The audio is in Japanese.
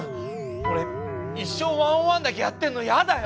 おれ一生ワン・オン・ワンだけやってんのやだよ！